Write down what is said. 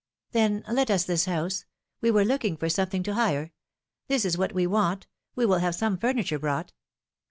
'^ Then, let us this house ; we were looking for some thing to hire. This is what we want; we will have some furniture brought.